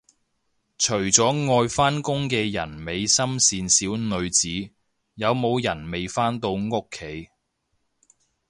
除咗愛返工嘅人美心善小女子，有冇人未返到屋企